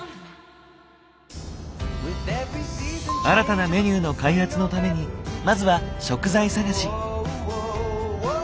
新たなメニューの開発のためにまずは食材探し。